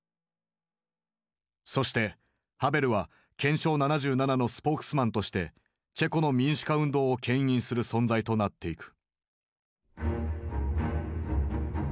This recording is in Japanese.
そしてハヴェルは「憲章７７」のスポークスマンとしてチェコの民主化運動を牽引する存在となっていく。